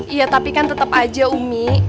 iya tapi kan tetap aja umi